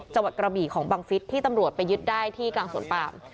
กระบี่ของบังฟิศที่ตำรวจไปยึดได้ที่กลางสวนปาม